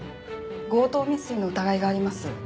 強盗未遂の疑いがあります。